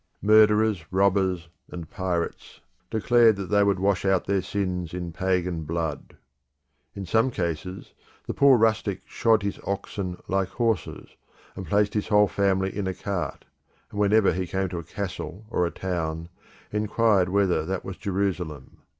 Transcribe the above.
Murderers, robbers, and pirates declared that they would wash out their sins in pagan blood. In some cases, the poor rustic shod his oxen like horses, and placed his whole family in a cart, and whenever he came to a castle or a town, inquired whether that was Jerusalem.